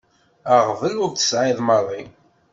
Aɣbel ur t-sεiɣ maḍi.